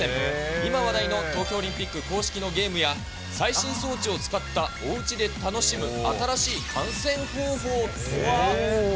今話題の東京オリンピック公式のゲームや、最新装置を使ったおうちで楽しむ新しい観戦方法とは？